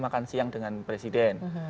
makan siang dengan presiden